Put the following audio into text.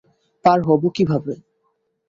পার হবো কীভাবে?